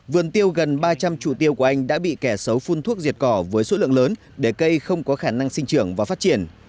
vườn tiêu gần ba trăm linh trụ tiêu của anh đã bị kẻ xấu phun thuốc diệt cỏ với số lượng lớn để cây không có khả năng sinh trưởng và phát triển